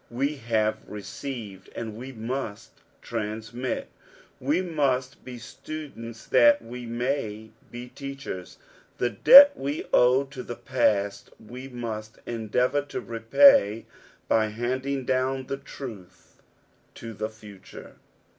We have received and we must transmit. We must be students that we may be teachers. The debt we owe to the past we must endeavor to repay by handing down the truth to the future.